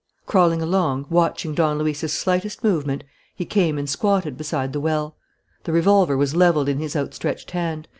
Crawling along, watching Don Luis's slightest movement, he came and squatted beside the well. The revolver was levelled in his outstretched hand.